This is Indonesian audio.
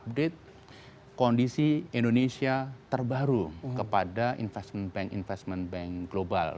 pemerintah dengan memberikan update kondisi indonesia terbaru kepada investment bank investment bank global